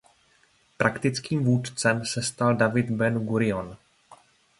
Praktickým vůdcem se stal David Ben Gurion.